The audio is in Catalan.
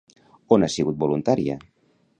On ha sigut voluntària?